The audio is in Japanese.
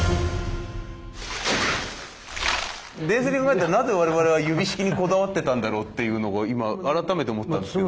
冷静に考えたらなぜ我々は指式にこだわってたんだろうっていうのを今改めて思ったんですけど。